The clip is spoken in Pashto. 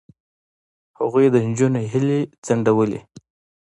هغوی د نجونو هیلې ځنډولې.